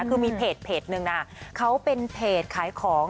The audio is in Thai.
คือมีเพจหนึ่งนะเขาเป็นเพจขายของ